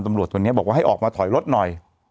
ตำรวจคนนี้บอกว่าให้ออกมาถอยรถหน่อย